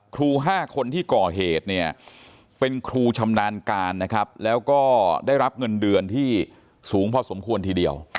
ครู๕คนที่ก่อเหตุเนี่ยเป็นครูชำนาญการนะครับแล้วก็ได้รับเงินเดือนที่สูงพอสมควรทีเดียว